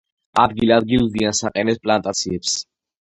ადგილ-ადგილ ზიანს აყენებს პლანტაციებს.